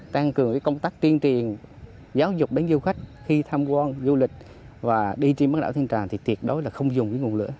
tăng cường công tác tiên triền giáo dục đến du khách khi tham quan du lịch và đi trên bán đảo thanh trà thì tiệt đối là không dùng cái nguồn lửa